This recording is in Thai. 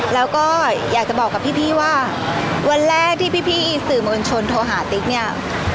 แล้วก็อยากจะบอกกับพี่ว่าวันแรกที่พี่สื่อมวลชนโทรหาติ๊กเนี่ย